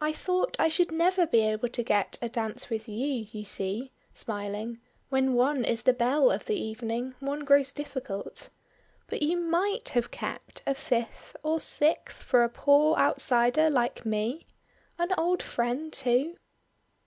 "I thought I should never be able to get a dance with you; you see," smiling "when one is the belle of the evening, one grows difficult. But you might have kept a fifth or sixth for a poor outsider like me. An old friend too."